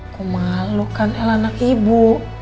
ku malu kan adalah anak ibu